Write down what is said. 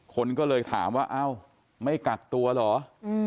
คนก็เลยถามว่าเอ้าไม่กักตัวเหรอ